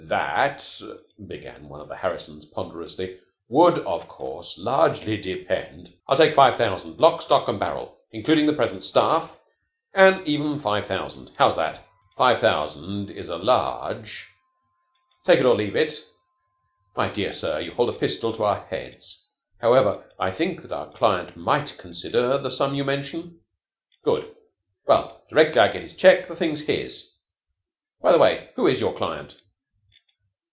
"That," began one of the Harrisons ponderously, "would, of course, largely depend " "I'll take five thousand. Lock, stock, and barrel, including the present staff, an even five thousand. How's that?" "Five thousand is a large " "Take it or leave it." "My dear sir, you hold a pistol to our heads. However, I think that our client might consent to the sum you mention." "Good. Well, directly I get his check, the thing's his. By the way, who is your client?"